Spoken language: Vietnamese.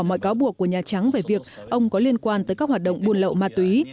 mọi cáo buộc của nhà trắng về việc ông có liên quan tới các hoạt động buôn lậu ma túy